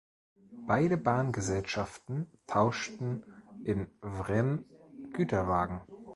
Beide Bahngesellschaften tauschten in Wren Güterwagen.